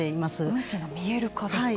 運賃の見える化ですか。